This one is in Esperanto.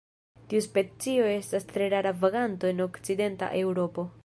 Tiu specio estas tre rara vaganto en okcidenta Eŭropo.